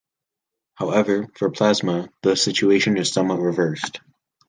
However, for plasma the situation is somewhat reversed.